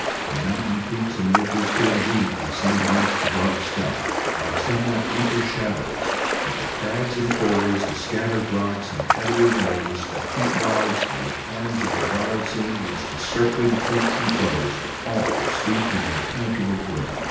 The mountain peaks and ridges could indeed be seen against the dark sky, like somewhat deeper shadows; but the crags and corries, the scattered rocks and heathery knolls, the peat bogs and the tarns of the wild scene which these circling peaks enclosed all were steeped in impenetrable gloom.